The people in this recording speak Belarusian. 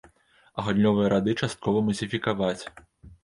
А гандлёвыя рады часткова музеефікаваць.